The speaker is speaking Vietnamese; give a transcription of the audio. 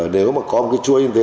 nếu mà có một cái chuỗi như thế